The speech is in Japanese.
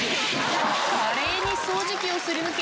華麗に掃除機をすり抜け。